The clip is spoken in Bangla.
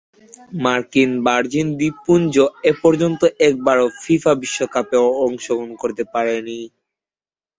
মার্কিন ভার্জিন দ্বীপপুঞ্জ এপর্যন্ত একবারও ফিফা বিশ্বকাপে অংশগ্রহণ করতে পারেনি।